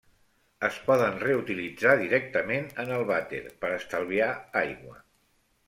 Es poden reutilitzar directament en el vàter, per estalviar aigua.